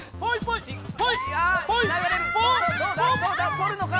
取るのか？